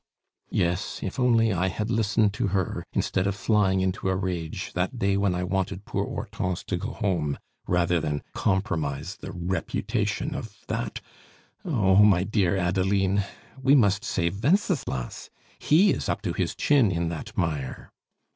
"Yes. If only I had listened to her, instead of flying into a rage, that day when I wanted poor Hortense to go home rather than compromise the reputation of that Oh! my dear Adeline, we must save Wenceslas. He is up to his chin in that mire!"